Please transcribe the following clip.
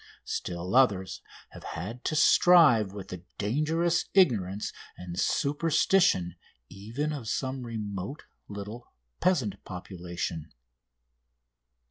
Still others have had to strive with the dangerous ignorance and superstition even of some remote little peasant population.